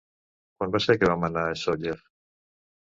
Quan va ser que vam anar a Sóller?